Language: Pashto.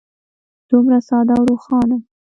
دومره ساده او روښانه.